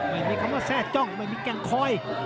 ไม่มีคำว่าแทร่จ้องไม่มีแก่งคอย